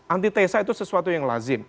antitesa itu sesuatu yang lazim